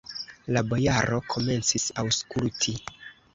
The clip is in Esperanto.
La bojaro komencis aŭskulti.